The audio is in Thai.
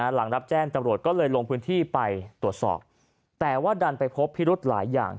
หลังรับแจ้งตำรวจก็เลยลงพื้นที่ไปตรวจสอบแต่ว่าดันไปพบพิรุธหลายอย่าง